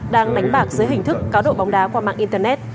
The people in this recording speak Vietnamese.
đang đánh bạc dưới hình thức cá độ bóng đá qua mạng internet